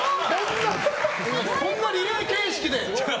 こんなリレー形式で！